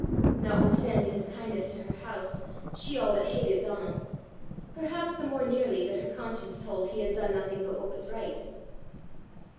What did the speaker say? Notwithstanding his kindness to her house, she all but hated Donal perhaps the more nearly that her conscience told he had done nothing but what was right.